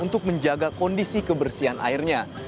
untuk menjaga kondisi kebersihan airnya